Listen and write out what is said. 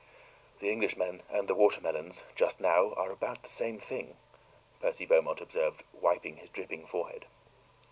"The Englishmen and the watermelons just now are about the same thing," Percy Beaumont observed, wiping his dripping forehead.